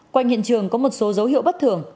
quanh hiện trường có một số dấu hiệu bất thường